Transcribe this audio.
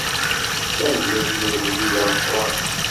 Tamdint n ugellid ameqqran.